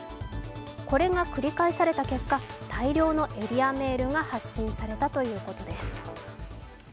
これが繰り返された結果、大量のエリアメールが発信されたということです。